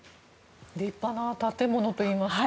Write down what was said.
立派な建物といいますか。